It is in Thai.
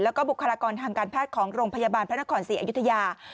แล้วก็บุคลากรทางการแพทย์ของโรงพยาบาลพระนครศรีอยุธยา